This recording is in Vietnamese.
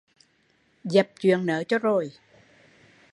Dập chuyện nớ cho rồi